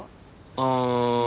ああ。